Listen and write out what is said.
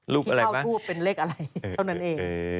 รูปอะไรบ้างที่เข้ารูปเป็นเลขอะไรเท่านั้นเอง